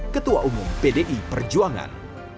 ketua umum pdi perjuangan